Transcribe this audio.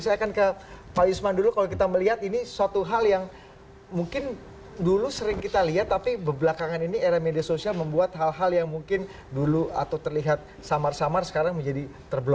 saya akan ke pak yusman dulu kalau kita melihat ini suatu hal yang mungkin dulu sering kita lihat tapi belakangan ini era media sosial membuat hal hal yang mungkin dulu atau terlihat samar samar sekarang menjadi terblok